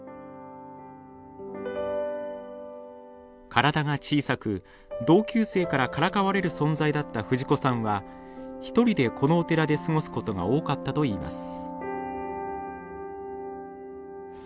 体が小さく同級生からからかわれる存在だった藤子さんはひとりでこのお寺で過ごすことが多かったと言います。